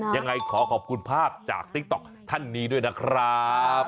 ยังไงขอขอบคุณภาพจากติ๊กต๊อกท่านนี้ด้วยนะครับ